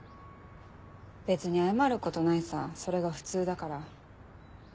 別に謝ることないさそれが普通だから。